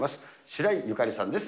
白井ゆかりさんです。